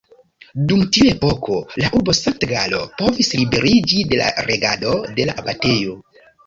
Dum tiu epoko la urbo Sankt-Galo povis liberiĝi de la regado de la abatejo.